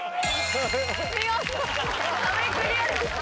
見事壁クリアです。